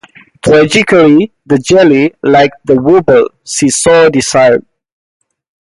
Tragically, the jelly lacked the wobble she so desired.